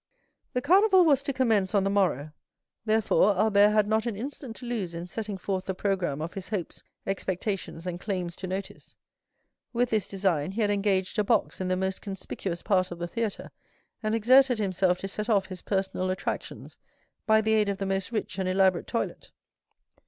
The Carnival was to commence on the morrow; therefore Albert had not an instant to lose in setting forth the programme of his hopes, expectations, and claims to notice. With this design he had engaged a box in the most conspicuous part of the theatre, and exerted himself to set off his personal attractions by the aid of the most rich and elaborate toilet.